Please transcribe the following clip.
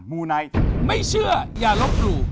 มูไนท์ไม่เชื่ออย่าลบหลู่